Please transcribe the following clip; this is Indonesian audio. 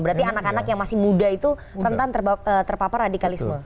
berarti anak anak yang masih muda itu rentan terpapar radikalisme